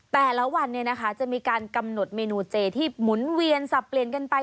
แต่ละวันจะมีการกำหนดเมนูเจที่หมุนเวียนสับเปลี่ยนกันไป